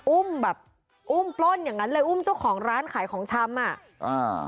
อุ้มปล้นอย่างนั้นเลยอุ้มเจ้าของร้านขายของช้ำอ่ะ